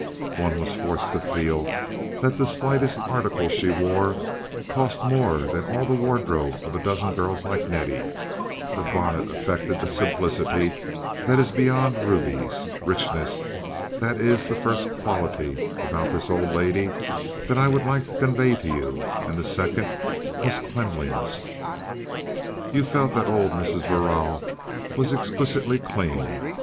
One was forced to feel that the slightest article she wore cost more than all the wardrobe of a dozen girls like Nettie; her bonnet affected the simplicity that is beyond rubies. Richness, that is the first quality about this old lady that I would like to convey to you, and the second was cleanliness. You felt that old Mrs. Verrall was exquisitely clean.